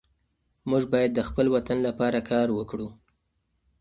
موږ باید د خپل وطن لپاره کار وکړو.